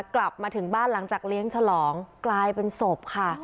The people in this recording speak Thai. กลับมาถึงบ้านหลังจากเลี้ยงฉลองกลายเป็นศพค่ะ